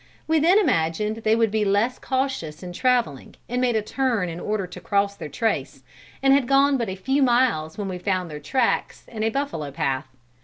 We then imagined they would be less cautious in traveling, and made a turn in order to cross their trace, and had gone but a few miles when we found their tracks in a buffalo path.